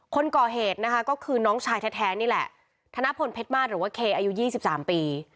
คนก่อเหตุนะคะก็คือน้องชายแท้นี่แหละธนพลเพชรมาสหรือว่าเคอายุ๒๓ปี